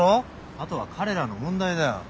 あとは彼らの問題だよ。